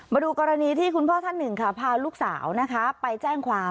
มาดูกรณีที่คุณพ่อท่านหนึ่งค่ะพาลูกสาวนะคะไปแจ้งความ